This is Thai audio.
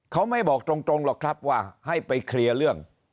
เขาไม่บอกตรงหรอกครับว่าให้ไปเคลียร์เรื่อง